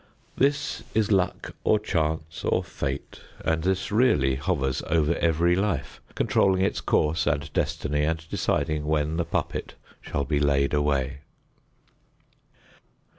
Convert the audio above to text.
This is luck or chance or fate, and this really hovers over every life, controlling its course and destiny and deciding when the puppet shall be laid away!